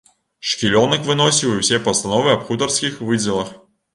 Шкілёнак выносіў і ўсе пастановы аб хутарскіх выдзелах.